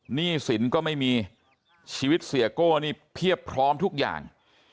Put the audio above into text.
หนี้สินก็ไม่มีชีวิตเสียโก้นี่เพียบพร้อมทุกอย่าง